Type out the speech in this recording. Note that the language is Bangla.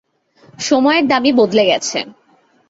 সময়ের দাবি বদলে গেছে।